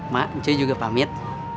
mak encik juga pamit